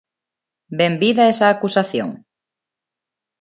¡Benvida esa acusación!